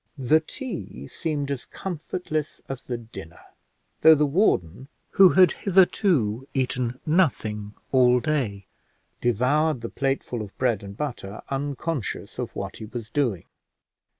The tea seemed as comfortless as the dinner, though the warden, who had hitherto eaten nothing all day, devoured the plateful of bread and butter, unconscious of what he was doing.